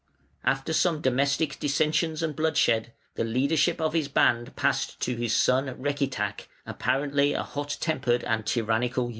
After some domestic dissensions and bloodshed, the leadership of his band passed to his son Recitach, apparently a hot tempered and tyrannical youth.